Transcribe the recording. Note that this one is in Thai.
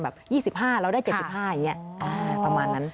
๒๕เราได้๗๕อย่างนี้ประมาณนั้น